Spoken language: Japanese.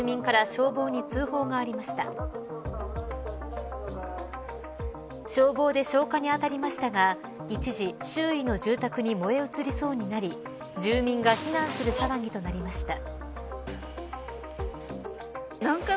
消防で消火に当たりましたが一時、周囲の住宅に燃え移りそうになり住民が避難する騒ぎとなりました。